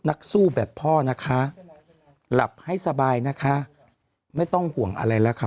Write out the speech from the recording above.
นักสู้แบบพ่อนะคะหลับให้สบายนะคะไม่ต้องห่วงอะไรแล้วค่ะ